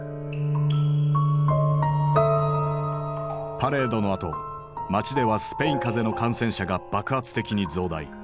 パレードのあと街ではスペイン風邪の感染者が爆発的に増大。